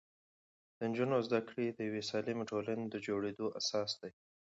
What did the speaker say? د نجونو زده کړې د یوې سالمې ټولنې د جوړېدو اساس دی.